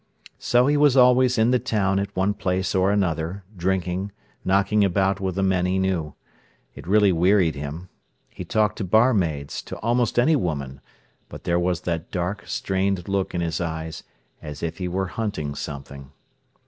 So he was always in the town at one place or another, drinking, knocking about with the men he knew. It really wearied him. He talked to barmaids, to almost any woman, but there was that dark, strained look in his eyes, as if he were hunting something.